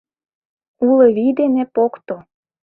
Уло вий дене покто!